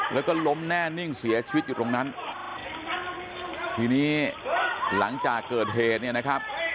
แล้วก็ล้มแน่นิ่งเสียชีวิตอยู่ตรงนั้นทีนี้หลังจากเกิดเหตุเนี่ยนะครับ